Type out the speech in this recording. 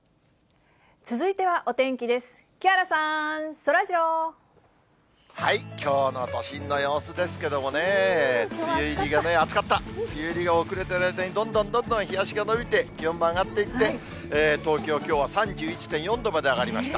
ちょっとした工夫で、きょうの都心の様子ですけどもね、梅雨入りが遅れてる間に、どんどんどんどん日ざしが延びて、気温も上がっていって、東京、きょうは３１．４度まで上がりました。